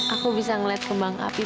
aku bisa ngeliat kembang api